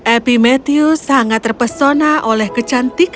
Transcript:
epimetheus sangat terpesona